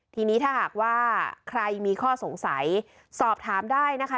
ทีนี้ถ้าหากว่าใครมีข้อสงสัยสอบถามได้นะคะ